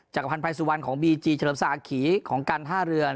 จักรพันธ์ภัยสุวรรณของบีจีเฉลิมสะอาขีของการท่าเรือน